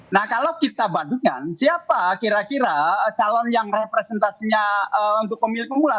nah kalau kita bandingkan siapa kira kira calon yang representasinya untuk pemilih pemula